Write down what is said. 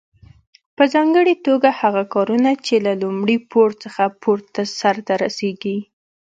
په ځانګړي توګه هغه کارونه چې له لومړي پوړ څخه پورته سرته رسیږي.